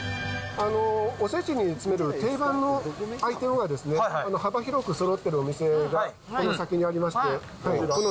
おせちに詰める定番のアイテムが、幅広くそろってるお店がこの先にありまして。